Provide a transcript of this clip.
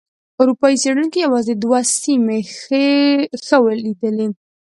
اروپایي څېړونکو یوازې دوه سیمې ښه ولیدلې.